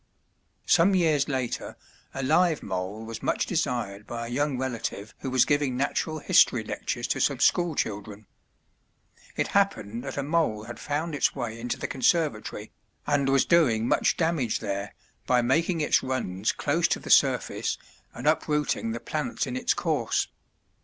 Some years later a live mole was much desired by a young relative who was giving Natural History lectures to some school children. It happened that a mole had found its way into the conservatory and was doing much damage there by making its runs close to the surface and uprooting the plants in its course.